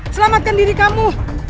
selamatkan diri kamu